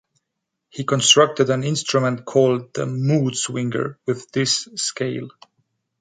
He constructed an instrument called the Moodswinger with this scale.